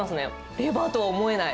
レバーとは思えない。